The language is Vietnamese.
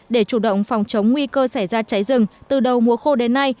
để chủ động phòng chống nguy cơ xảy ra cháy rừng từ đầu mùa khô đến nay